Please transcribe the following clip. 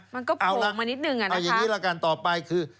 มันก็โผล่ลงมานิดนึงอ่ะนะเอาอย่างนี้ละกันต่อไปคือ